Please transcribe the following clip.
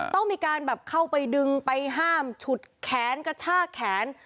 ต้องมีการแบบเข้าไปดึงไปห้ามฉุดแขนกระชากแขน